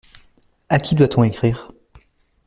À qui doit-on écrire ?